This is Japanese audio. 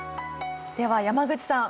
では山口さん